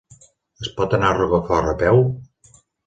Es pot anar a Rocafort a peu?